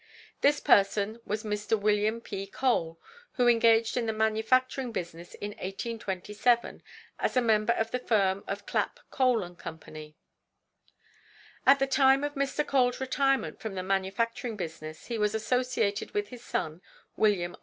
This person was Mr. Wm. P. Cole, who engaged in the manufacturing business in 1827, as a member of the firm of Clap, Cole & Co. At the time of Mr. Cole's retirement from the manufacturing business he was associated with his son, Wm.